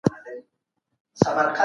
پرشتي له انسان سره مینه لري.